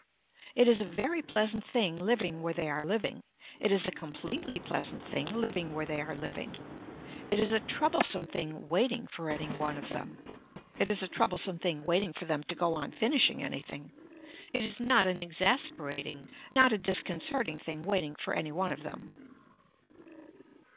It is a very pleasant thing living where they are living. It is a completely pleasant thing living where they are living. It is a troublesome thing waiting for any one of them. It is a troublesome thing waiting for them to go on finishing anything. It is not an exasperating, not a disconcerting thing waiting for any one of them.